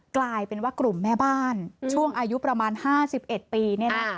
กลายเป็นว่ากลุ่มแม่บ้านช่วงอายุประมาณ๕๑ปี